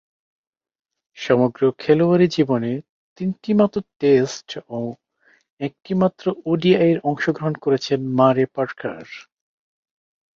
সমগ্র খেলোয়াড়ী জীবনে তিনটিমাত্র টেস্ট ও একটিমাত্র ওডিআইয়ে অংশগ্রহণ করেছেন মারে পার্কার।